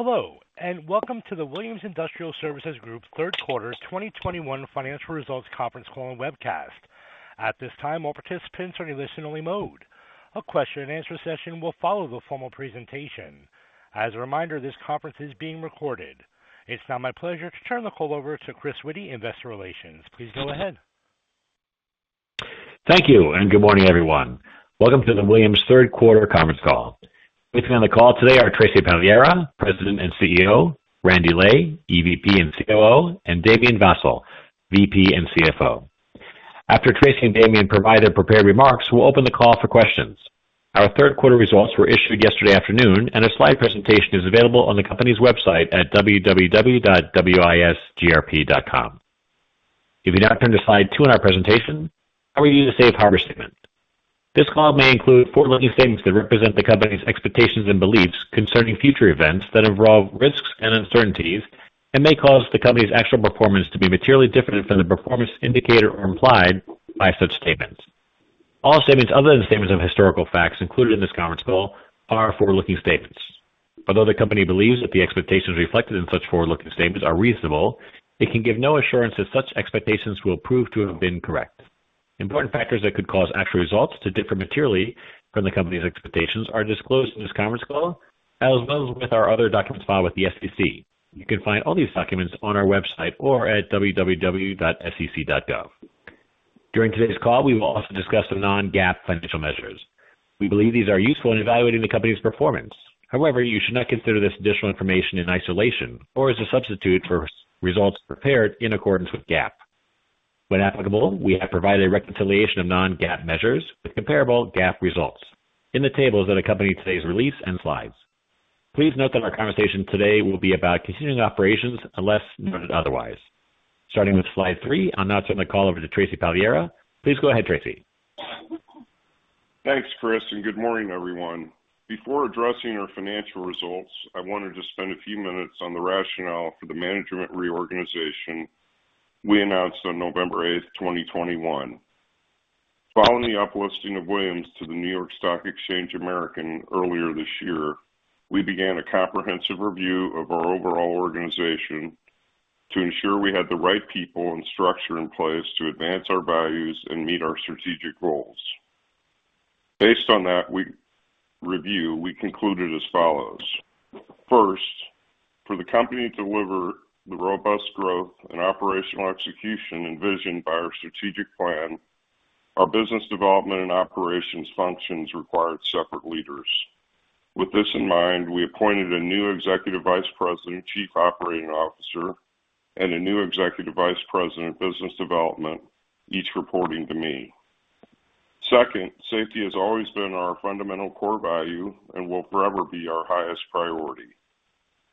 Hello, and welcome to the Williams Industrial Services Group Q3 2021 financial results conference call and webcast. At this time, all participants are in listen-only mode. A question-and-answer session will follow the formal presentation. As a reminder, this conference is being recorded. It's now my pleasure to turn the call over to Chris Witty, Investor Relations. Please go ahead. Thank you and good morning, everyone. Welcome to the Williams Q3 conference call. With me on the call today are Tracy Pagliara, President and CEO, Randy Lay, EVP and COO, and Damien Vassall, VP and CFO. After Tracy and Damien provide their prepared remarks, we'll open the call for questions. Our Q3 results were issued yesterday afternoon and a slide presentation is available on the company's website at www.wisgrp.com. If you now turn to slide two in our presentation, I will read you the safe harbor statement. This call may include forward-looking statements that represent the company's expectations and beliefs concerning future events that involve risks and uncertainties and may cause the company's actual performance to be materially different from the performance indicated or implied by such statements. All statements other than statements of historical facts included in this conference call are forward-looking statements. Although the company believes that the expectations reflected in such forward-looking statements are reasonable, it can give no assurance that such expectations will prove to have been correct. Important factors that could cause actual results to differ materially from the company's expectations are disclosed in this conference call, as well as in our other documents filed with the SEC. You can find all these documents on our website or at www.sec.gov. During today's call, we will also discuss some non-GAAP financial measures. We believe these are useful in evaluating the company's performance. However, you should not consider this additional information in isolation or as a substitute for such results prepared in accordance with GAAP. When applicable, we have provided a reconciliation of non-GAAP measures with comparable GAAP results in the tables that accompany today's release and slides. Please note that our conversation today will be about continuing operations unless noted otherwise. Starting with slide three, I'll now turn the call over to Tracy Pagliara. Please go ahead, Tracy. Thanks, Chris, and good morning, everyone. Before addressing our financial results, I wanted to spend a few minutes on the rationale for the management reorganization we announced on November 8, 2021. Following the uplisting of Williams to the NYSE American earlier this year, we began a comprehensive review of our overall organization to ensure we had the right people and structure in place to advance our values and meet our strategic goals. Based on that review, we concluded as follows. First, for the company to deliver the robust growth and operational execution envisioned by our strategic plan, our business development and operations functions required separate leaders. With this in mind, we appointed a new Executive Vice President, Chief Operating Officer, and a new Executive Vice President of Business Development, each reporting to me. Second, safety has always been our fundamental core value and will forever be our highest priority.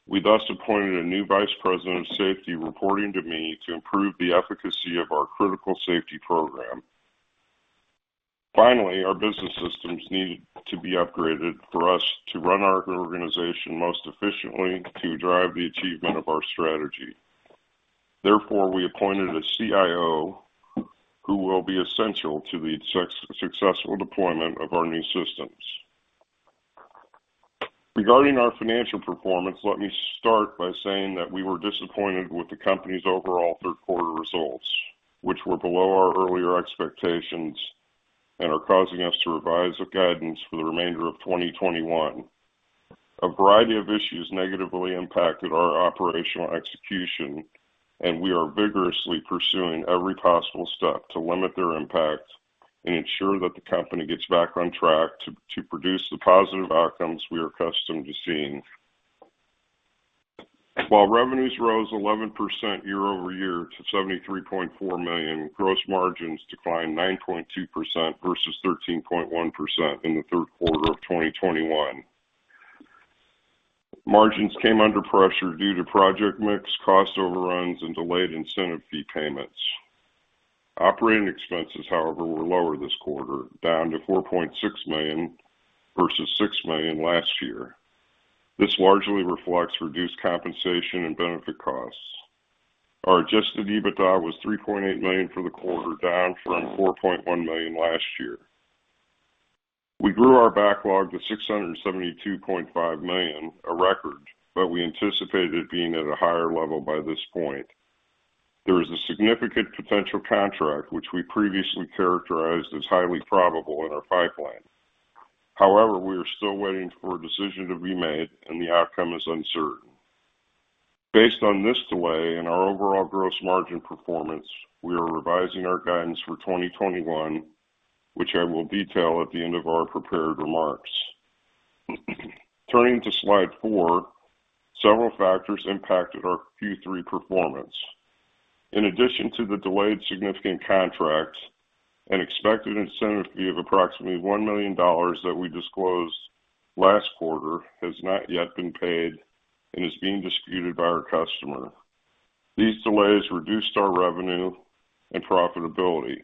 We thus appointed a new Vice President of Safety, reporting to me, to improve the efficacy of our critical safety program. Finally, our business systems needed to be upgraded for us to run our organization most efficiently to drive the achievement of our strategy. Therefore, we appointed a CIO who will be essential to the successful deployment of our new systems. Regarding our financial performance, let me start by saying that we were disappointed with the company's overall Q3 results, which were below our earlier expectations and are causing us to revise the guidance for the remainder of 2021. A variety of issues negatively impacted our operational execution and we are vigorously pursuing every possible step to limit their impact and ensure that the company gets back on track to produce the positive outcomes we are accustomed to seeing. While revenues rose 11% year-over-year to $73.4 million, gross margins declined 9.2% versus 13.1% in the Q3 of 2021. Margins came under pressure due to project mix, cost overruns, and delayed incentive fee payments. Operating expenses, however, were lower this quarter, down to $4.6 million versus $6 million last year. This largely reflects reduced compensation and benefit costs. Our adjusted EBITDA was $3.8 million for the quarter, down from $4.1 million last year. We grew our backlog to $672.5 million, a record, but we anticipated it being at a higher level by this point. There is a significant potential contract which we previously characterized as highly probable in our pipeline. However, we are still waiting for a decision to be made, and the outcome is uncertain. Based on this delay and our overall gross margin performance, we are revising our guidance for 2021, which I will detail at the end of our prepared remarks. Turning to slide 4, several factors impacted our Q3 performance. In addition to the delayed significant contracts, an expected incentive fee of approximately $1 million that we disclosed last quarter has not yet been paid and is being disputed by our customer. These delays reduced our revenue and profitability.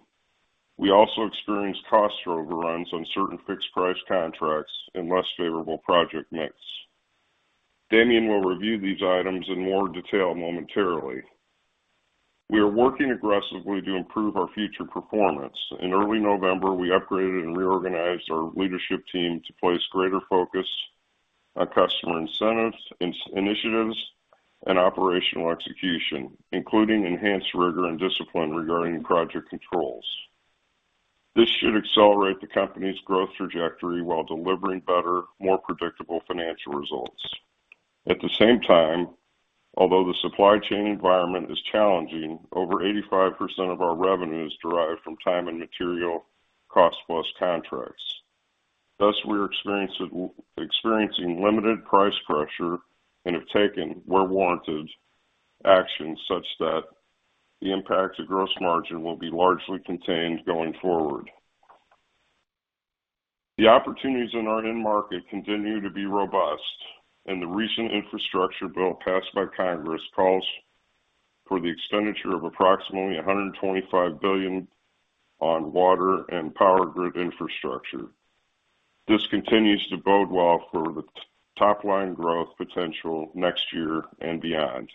We also experienced cost overruns on certain fixed-price contracts and a less favorable project mix. Damien will review these items in more detail momentarily. We are working aggressively to improve our future performance. In early November, we upgraded and reorganized our leadership team to place greater focus on customer incentives, initiatives, and operational execution, including enhanced rigor and discipline regarding project controls. This should accelerate the company's growth trajectory while delivering better, more predictable financial results. At the same time, although the supply chain environment is challenging, over 85% of our revenue is derived from time and material cost-plus contracts. Thus, we're experiencing limited price pressure and have taken, where warranted, actions such that the impact to gross margin will be largely contained going forward. The opportunities in our end market continue to be robust, and the recent infrastructure bill passed by Congress calls for the expenditure of approximately $125 billion on water and power grid infrastructure. This continues to bode well for the top-line growth potential next year and beyond.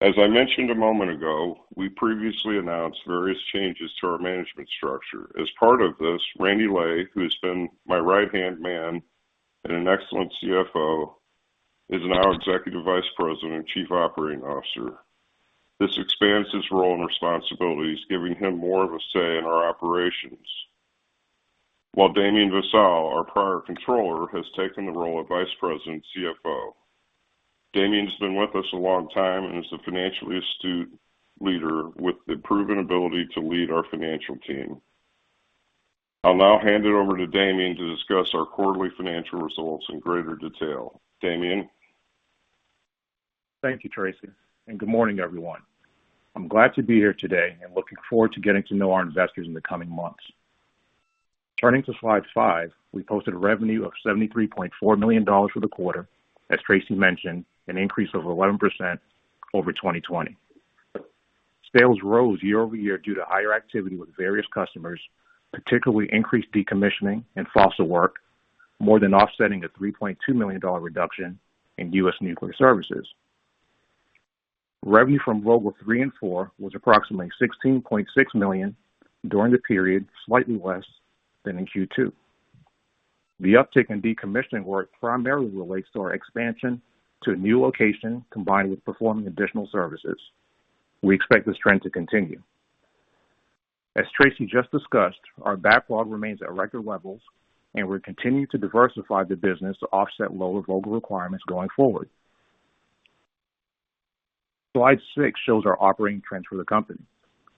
As I mentioned a moment ago, we previously announced various changes to our management structure. As part of this, Randy Lay, who has been my right-hand man and an excellent CFO, is now Executive Vice President and Chief Operating Officer. This expands his role and responsibilities, giving him more of a say in our operations. While Damien Vassall, our prior Controller, has taken the role of Vice President and CFO. Damien's been with us a long time and is a financially astute leader with the proven ability to lead our financial team. I'll now hand it over to Damien to discuss our quarterly financial results in greater detail. Damien? Thank you, Tracy, and good morning, everyone. I'm glad to be here today and looking forward to getting to know our investors in the coming months. Turning to slide 5, we posted revenue of $73.4 million for the quarter. As Tracy mentioned, an increase of 11% over 2020. Sales rose year-over-year due to higher activity with various customers, particularly increased decommissioning and fossil work, more than offsetting a $3.2 million reduction in U.S. nuclear services. Revenue from Vogtle 3 and 4 was approximately $16.6 million during the period, slightly less than in Q2. The uptick in decommissioning work primarily relates to our expansion to a new location, combined with performing additional services. We expect this trend to continue. As Tracy just discussed, our backlog remains at record levels, and we're continuing to diversify the business to offset lower Vogtle requirements going forward. Slide 6 shows our operating trends for the company.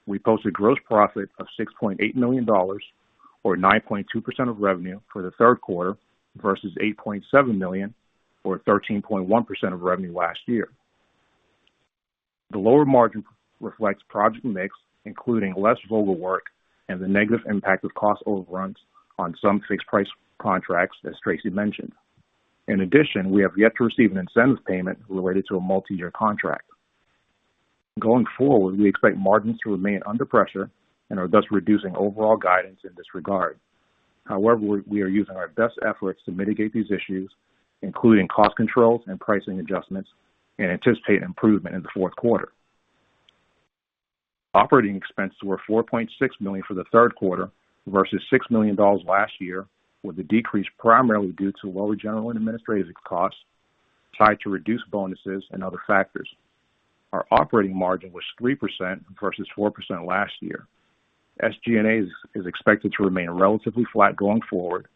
We posted gross profit of $6.8 million or 9.2% of revenue for the Q3 versus $8.7 million or 13.1% of revenue last year. The lower margin reflects project mix, including less Vogtle work and the negative impact of cost overruns on some fixed-price contracts, as Tracy mentioned. In addition, we have yet to receive an incentive payment related to a multi-year contract. Going forward, we expect margins to remain under pressure and are thus reducing overall guidance in this regard. However, we are using our best efforts to mitigate these issues, including cost controls and pricing adjustments, and anticipate improvement in Q4. Operating expenses were $4.6 million for the Q3 versus $6 million last year, with the decrease primarily due to lower general and administrative costs tied to reduced bonuses and other factors. Our operating margin was 3% versus 4% last year. SG&A is expected to remain relatively flat going forward,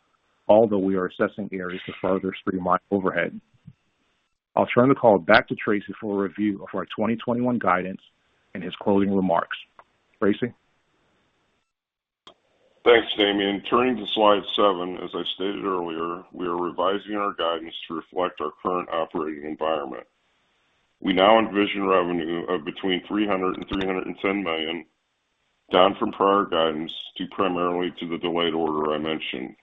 although we are assessing areas to further streamline overhead. I'll turn the call back to Tracy for a review of our 2021 guidance and his closing remarks. Tracy? Thanks, Damien. Turning to slide 7, as I stated earlier, we are revising our guidance to reflect our current operating environment. We now envision revenue of between $300 million-$310 million, down from prior guidance, due primarily to the delayed order I mentioned.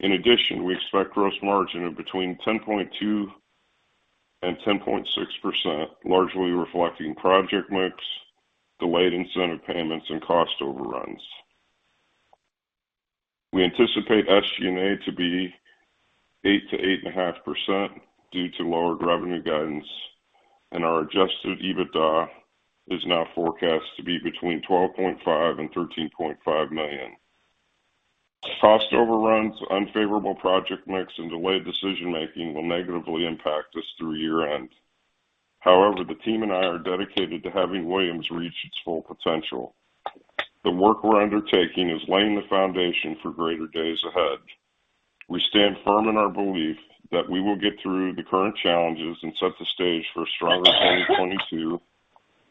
In addition, we expect gross margin of between 10.2%-10.6%, largely reflecting project mix, delayed incentive payments, and cost overruns. We anticipate SG&A to be 8%-8.5% due to lowered revenue guidance, and our adjusted EBITDA is now forecast to be between $12.5 million-$13.5 million. Cost overruns, unfavorable project mix, and delayed decision-making will negatively impact us through year-end. However, the team and I are dedicated to having Williams reach its full potential. The work we're undertaking is laying the foundation for greater days ahead. We stand firm in our belief that we will get through the current challenges and set the stage for a stronger 2022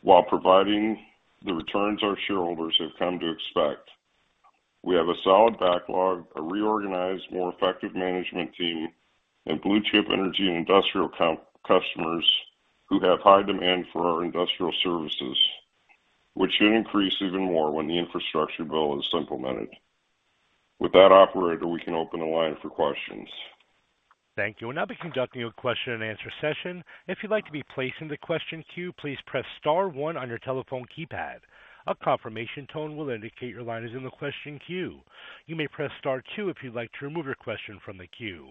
while providing the returns our shareholders have come to expect. We have a solid backlog, a reorganized, more effective management team, and blue-chip energy and industrial customers who have high demand for our industrial services, which should increase even more when the infrastructure bill is implemented. With that, operator, we can open the line for questions. Thank you. We'll now be conducting a question-and-answer session. If you'd like to be placed in the question queue, please press star 1 on your telephone keypad. A confirmation tone will indicate your line is in the question queue. You may press star 2, if you'd like to remove your question from the queue.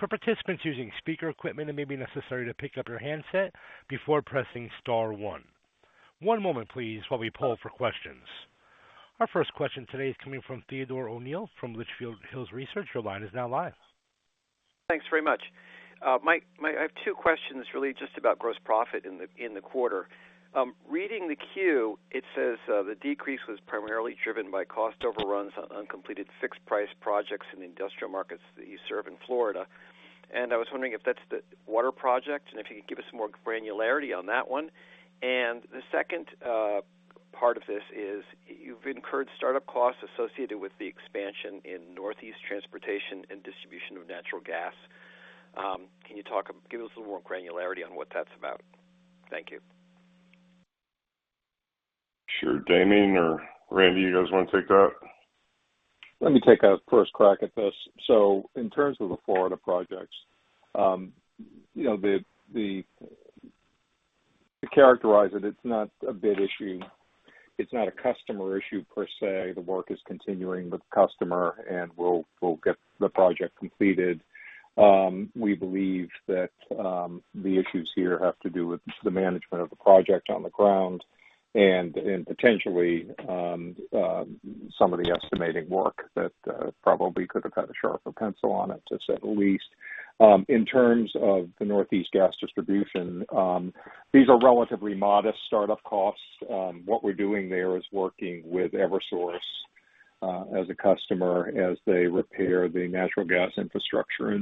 For participants using speaker equipment, it may be necessary to pick up your handset before pressing star one. One moment, please, while we poll for questions. Our first question today is coming from Theodore O'Neill from Litchfield Hills Research. Your line is now live. Thanks very much. Mike, I have two questions, really just about gross profit in the quarter. Reading the Q, it says the decrease was primarily driven by cost overruns on uncompleted fixed-price projects in the industrial markets that you serve in Florida. I was wondering if that's the water project, and if you could give us some more granularity on that one. The second part of this is that you've incurred startup costs associated with the expansion in Northeast transportation and distribution of natural gas. Give us a little more granularity on what that's about? Thank you. Sure. Damien or Randy, you guys want to take that? Let me take a first crack at this. In terms of the Florida projects, to characterize it's not a big issue. It's not a customer issue per se. The work is continuing with the customer, and we'll get the project completed. We believe that the issues here have to do with the management of the project on the ground and potentially some of the estimating work that probably could have had a sharper pencil on it, to say the least. In terms of the Northeast gas distribution, these are relatively modest start-up costs. What we're doing there is working with Eversource as a customer as they repair the natural gas infrastructure,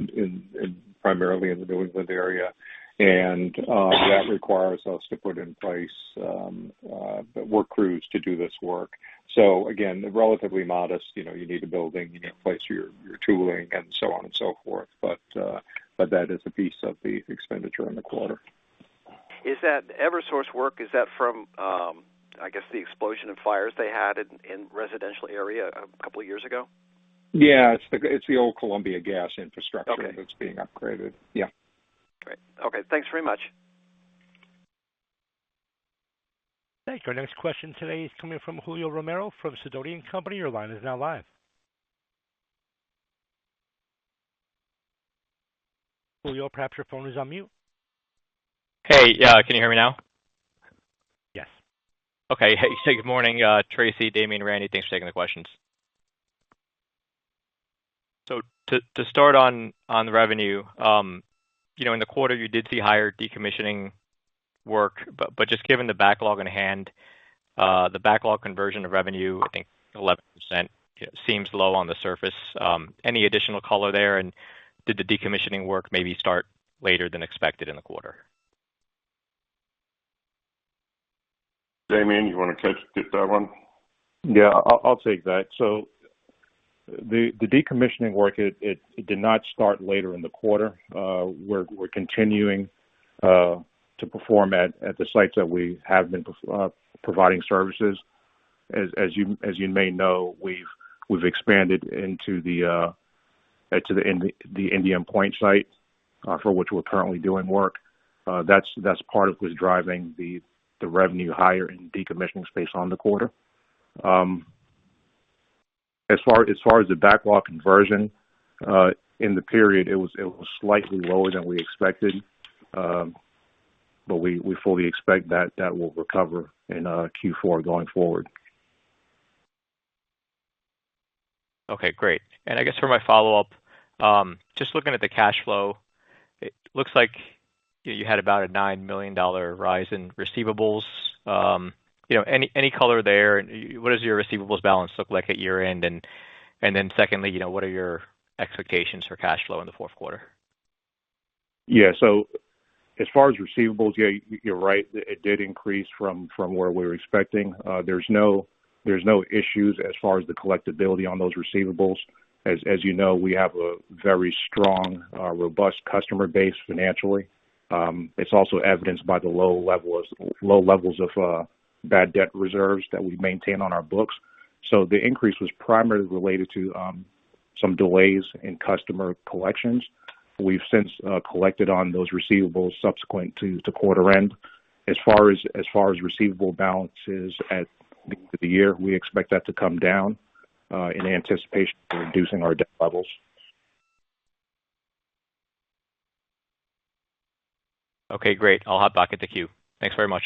primarily in the New England area. That requires us to put in place work crews to do this work. Again, relatively modest. You know, you need a building, you need to place your tooling and so on and so forth. But that is a piece of the expenditure in the quarter. Is that Eversource work, or is that from, I guess, the explosion and fires they had in a residential area a couple of years ago? It's the old Columbia Gas infrastructure. Okay. that's being upgraded. Great. Okay. Thanks very much. Thanks. Our next question today is coming from Julio Romero from Sidoti & Company. Your line is now live. Julio, perhaps your phone is on mute. Hey, can you hear me now? Yes. Okay. Good morning, Tracy, Damien, and Randy. Thanks for taking the questions. To start with the revenue in the quarter, you did see higher decommissioning work. Just given the backlog in hand, the backlog conversion of revenue, I think 11% seems low on the surface. Any additional color there? Did the decommissioning work maybe start later than expected in the quarter? Damien, you want to get that one? I'll take that. The decommissioning work, it did not start later in the quarter. We're continuing to perform at the sites that we have been providing services. As you may know, we've expanded into the Indian Point site, for which we're currently doing work. That's part of what's driving the revenue higher in decommissioning space on the quarter. As far as the backlog conversion in the period, it was slightly lower than we expected, but we fully expect that it will recover in Q4 going forward. Okay, great. I guess for my follow-up, just looking at the cash flow, it looks like you had about a $9 million rise in receivables. You know, any color there? What does your receivables balance look like at year-end? And then secondly, what are your expectations for cash flow in Q4? As far as receivables, yeah, you're right. It did increase from where we were expecting. There are no issues as far as the collectability on those receivables. We have a very strong, robust customer base financially. It's also evidenced by the low levels of bad debt reserves that we maintain on our books. The increase was primarily related to some delays in customer collections. We've since collected on those receivables subsequent to the quarter end. As far as receivable balances at the end of the year, we expect that to come down in anticipation of reducing our debt levels. Okay, great. I'll hop back in the queue. Thanks very much.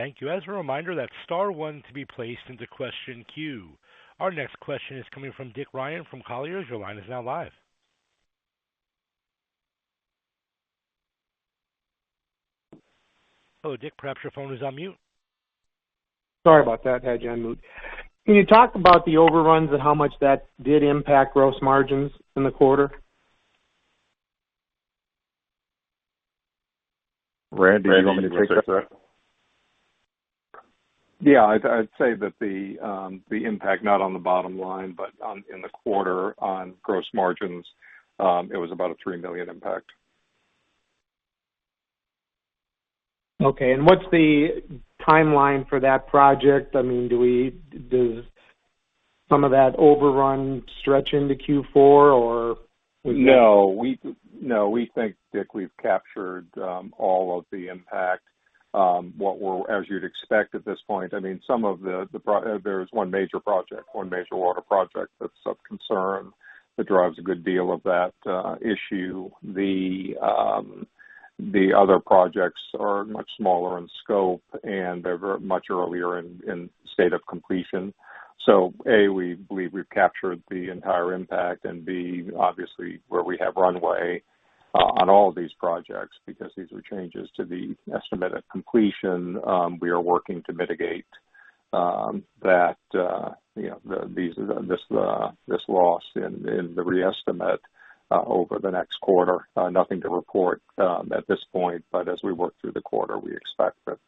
Thank you. As a reminder, that's star 1 to be placed into the question queue. Our next question is coming from Rick Ryan from Colliers. Your line is now live. Hello, Rick. Perhaps your phone is on mute. Sorry about that. Had you on mute. Can you talk about the overruns and how much that did impact gross margins in the quarter? Randy, you want me to take that? I'd say that the impact was not on the bottom line, but in the quarter on gross margins, it was about a $3 million impact. Okay. What's the timeline for that project? I mean, does some of that overrun stretch into Q4 or- No, we think, Rick, we've captured all of the impact as you'd expect at this point. I mean, some of the projects, there is one major project, one major water project that's of concern that drives a good deal of that issue. The other projects are much smaller in scope, and they're very much earlier in the state of completion. A, we believe we've captured the entire impact, and B, obviously, where we have runway on all these projects, because these are changes to the estimated completion, we are working to mitigate that, this loss in the re-estimate over the next quarter. Nothing to report at this point, but as we work through the quarter, we expect that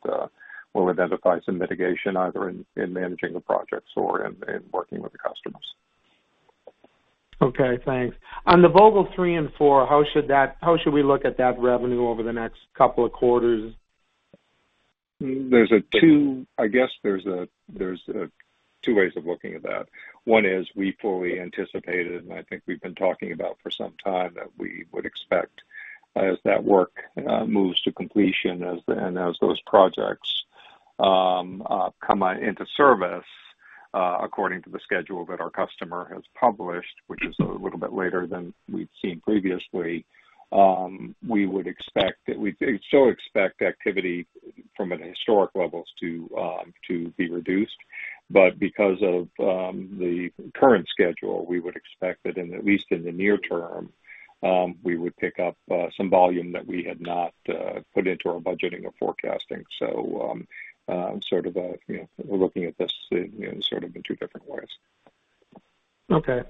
we'll identify some mitigation either in managing the projects or in working with the customers. Okay, thanks. On Vogtle 3 and 4, how should we look at that revenue over the next couple of quarters? I guess there are two ways of looking at that. One is we fully anticipated, and I think we've been talking about for some time, that we would expect as that work moves to completion, and as those projects come out into service according to the schedule that our customer has published, which is a little bit later than we've seen previously, we would expect that we'd still expect activity from historic levels to be reduced. Because of the current schedule, we would expect that, at least in the near term, we would pick up some volume that we had not put into our budgeting or forecasting. Sort of, we're looking at this in two different ways. Okay.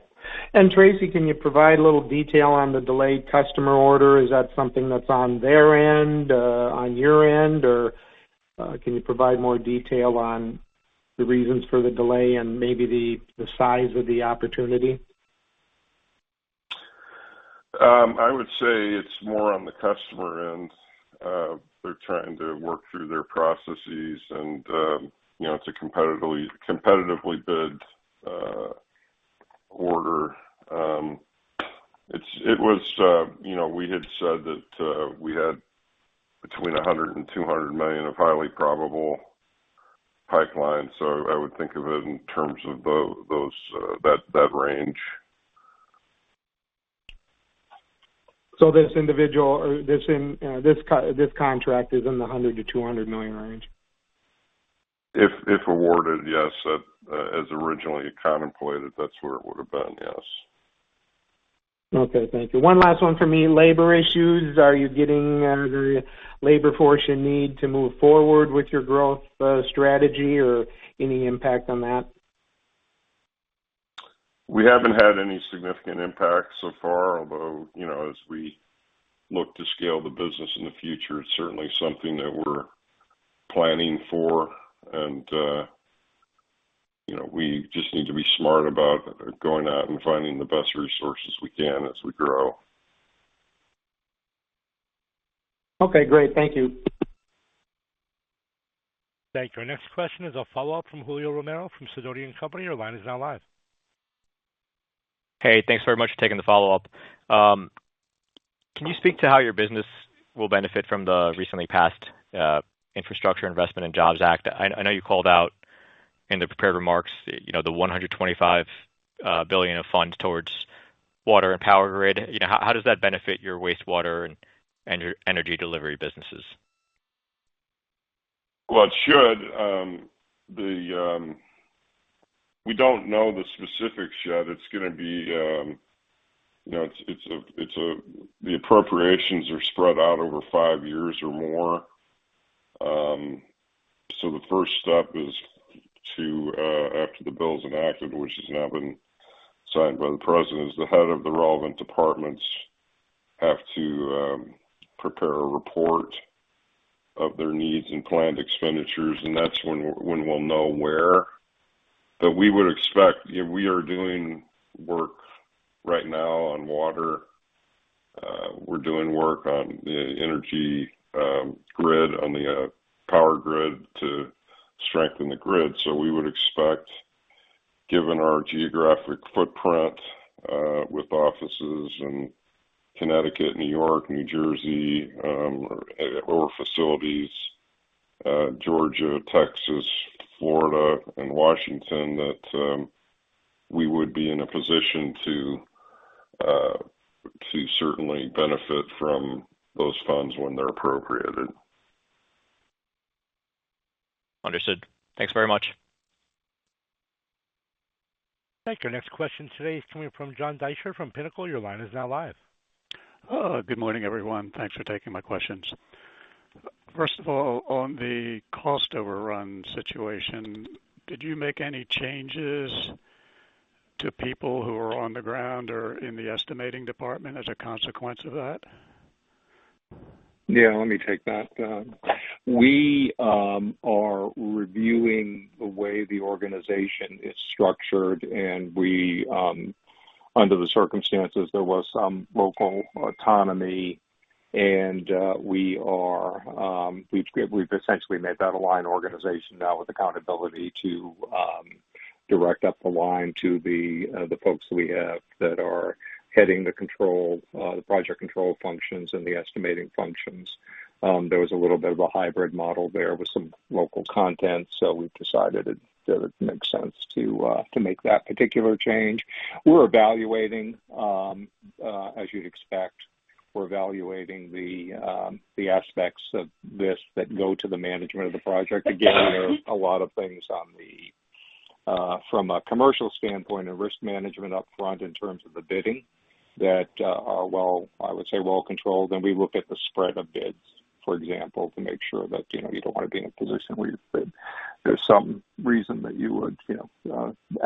Tracy, can you provide a little detail on the delayed customer order? Is that something that's on their end, on your end? Or, can you provide more details on the reasons for the delay and maybe the size of the opportunity? I would say it's more on the customer end. They're trying to work through their processes it's a competitively bid order. It was, we had said that, we had between $100 million-$200 million of a highly probable pipeline. So I would think of it in terms of those that range. Is this contract is in the $100 million-$200 million range? If awarded, yes, as originally contemplated, that's where it would have been, yes. Okay, thank you. One last one for me. Labor issues, are you getting the labor force you need to move forward with your growth, strategy, or any impact on that? We haven't had any significant impact so far. Although, as we look to scale the business in the future, it's certainly something that we're planning for. You know, we just need to be smart about going out and finding the best resources we can as we grow. Okay, great. Thank you. Thank you. Our next question is a follow-up from Julio Romero from Sidoti & Company. Your line is now live. Hey, thanks very much for taking the follow-up. Can you speak to how your business will benefit from the recently passed Infrastructure Investment and Jobs Act? I know you called out in the prepared remarks the $125 billion of funds towards water and power grid. How does that benefit your wastewater and your energy delivery businesses? Well, it should. We don't know the specifics yet. The appropriations are spread out over five years or more. The first step is, after the bill is enacted, which has now been signed by the president, the head of the relevant departments has to prepare a report of their needs and planned expenditures, and that's when we'll know where. We would expect. We are doing work right now on water. We're doing work on the energy grid, on the power grid, to strengthen the grid. We would expect, given our geographic footprint, with offices in Connecticut, New York, New Jersey, and facilities in Georgia, Texas, Florida, and Washington, that we would be in a position to certainly benefit from those funds when they're appropriated. Understood. Thanks very much. Thank you. Our next question today is coming from John Deysher from Pinnacle. Your line is now live. Hello. Good morning, everyone. Thanks for taking my questions. First of all, on the cost overrun situation, did you make any changes to people who are on the ground or in the estimating department as a consequence of that? let me take that. We are reviewing the way the organization is structured, and under the circumstances, there was some local autonomy, and we've essentially made that a line organization now with accountability to direct up the line to the folks we have that are heading the project control functions and the estimating functions. There was a little bit of a hybrid model there with some local content, so we've decided that it makes sense to make that particular change. We're evaluating, as you'd expect, the aspects of this that go to the management of the project. Again, there's a lot of things on the, from a commercial standpoint and risk management upfront in terms of the bidding that are well, I would say, well controlled. We look at the spread of bids, for example, to make sure that, you don't want to be in a position where there's some reason that you would,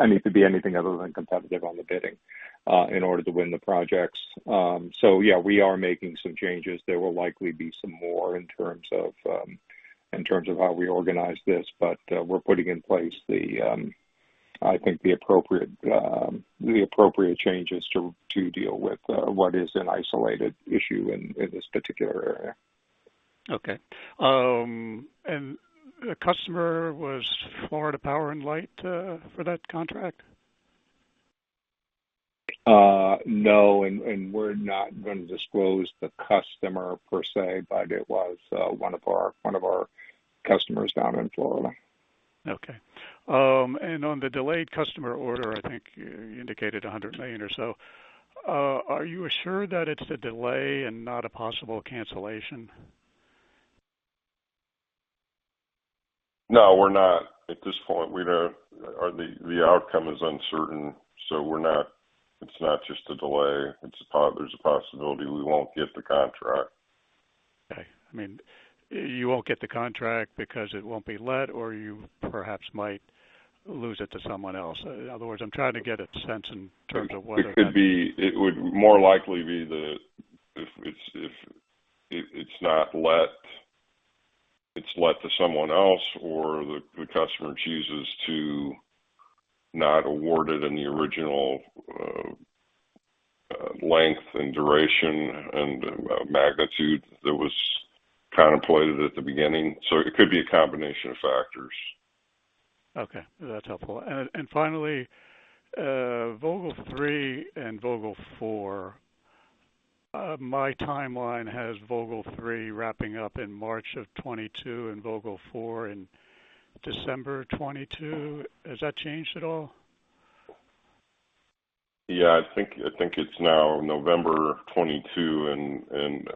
need to be anything other than competitive on the bidding in order to win the projects. we are making some changes. There will likely be some more in terms of, in terms of how we organize this, but we're putting in place the, I think the appropriate, the appropriate changes to deal with what is an isolated issue in this particular area. Okay. The customer was Florida Power & Light, for that contract? No. We're not going to disclose the customer per se, but it was one of our customers down in Florida. Okay. On the delayed customer order, I think you indicated $100 million or so. Are you assured that it's a delay and not a possible cancellation? No, we're not. At this point, the outcome is uncertain, so we're not. It's not just a delay. There's a possibility we won't get the contract. Okay. I mean, you won't get the contract because it won't be let, or you perhaps might lose it to someone else. In other words, I'm trying to get a sense in terms of whether or not. It would more likely be that if it's let to someone else, or the customer chooses to not award it in the original length and duration and magnitude that was contemplated at the beginning. It could be a combination of factors. Okay, that's helpful. Finally, Vogtle three and Vogtle four. My timeline has Vogtle three wrapping up in March of 2022 and Vogtle four in December of 2022. Has that changed at all? I think it's now November of 2022 and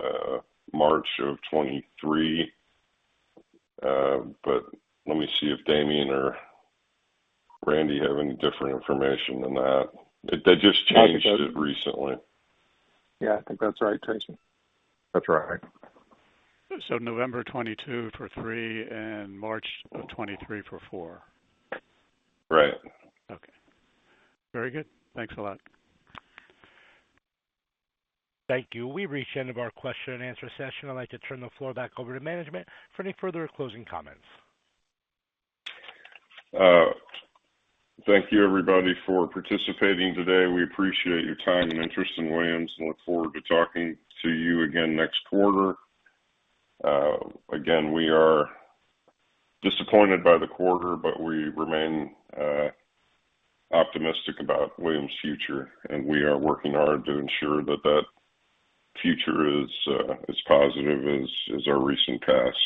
March of 2023. Let me see if Damien or Randy have any different information than that. They just changed it recently. I think that's right, Tracy. That's right. November 2022 for three and March of 2023 for four. Right. Okay. Very good. Thanks a lot. Thank you. We've reached the end of our question and answer session. I'd like to turn the floor back over to management for any further closing comments. Thank you, everybody, for participating today. We appreciate your time and interest in Williams. We look forward to talking to you again next quarter. Again, we are disappointed by the quarter, but we remain optimistic about Williams' future, and we are working hard to ensure that future is as positive as our recent past.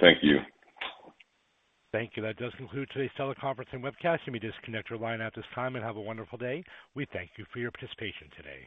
Thank you. Thank you. That does conclude today's teleconference and webcast. You may disconnect your line at this time, and have a wonderful day. We thank you for your participation today.